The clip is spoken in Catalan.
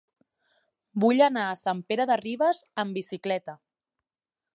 Vull anar a Sant Pere de Ribes amb bicicleta.